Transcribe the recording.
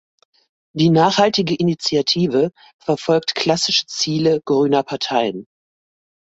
Die Nachhaltige Initiative verfolgt klassische Ziele grüner Parteien.